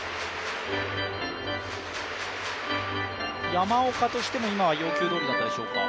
山岡としても、今は要求どおりだったでしょうか。